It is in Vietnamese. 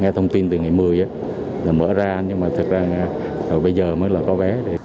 thông tin từ ngày một mươi mở ra nhưng mà thực ra bây giờ mới là có vé